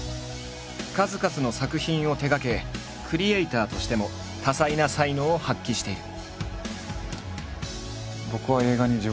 数々の作品を手がけクリエーターとしても多彩な才能を発揮している。